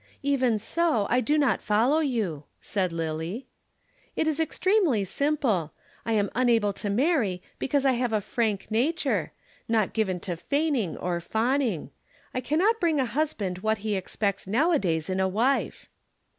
"Even so, I do not follow you," said Lillie. "It is extremely simple. I am unable to marry because I have a frank nature, not given to feigning or fawning. I cannot bring a husband what he expects nowadays in a wife."